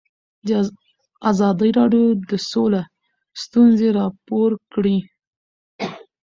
ازادي راډیو د سوله ستونزې راپور کړي.